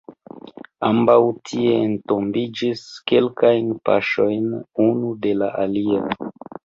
Ambaŭ tie entombiĝis, kelkajn paŝojn unu de la alia.